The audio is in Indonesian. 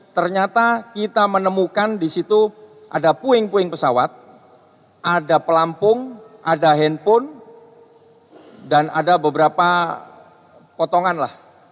ternyata kita menemukan di situ ada puing puing pesawat ada pelampung ada handphone dan ada beberapa potongan lah